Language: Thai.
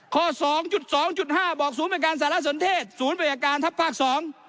ข้อสองจุดสองจุดห้าบอกศูนย์บริการสารสนเทศศูนย์บริการทัพภาคสอง